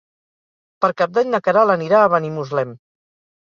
Per Cap d'Any na Queralt anirà a Benimuslem.